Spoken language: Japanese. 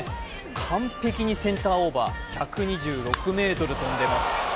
完璧にセンターオーバー１２６ｍ飛んでます。